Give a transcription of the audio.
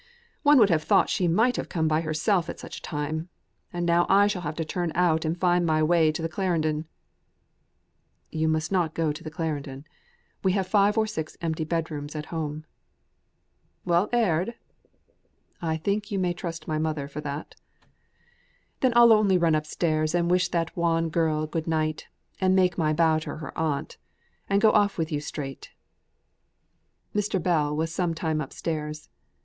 One would have thought she might have come by herself at such a time! And now I shall have to turn out and find my way to the Clarendon." "You must not go to the Clarendon. We have five or six empty bed rooms at home." "Well aired?" "I think you may trust my mother for that." "Then I'll only run upstairs and wish that wan girl good night, and make my bow to her aunt, and go off with you straight." Mr. Bell was some time upstairs. Mr.